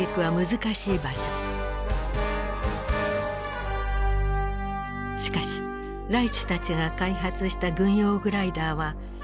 しかしライチュたちが開発した軍用グライダーは着陸に成功。